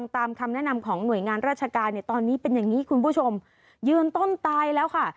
ตอนนี้เป็นอย่างนี้คุณผู้ชมยืนต้นตายแล้วค่ะ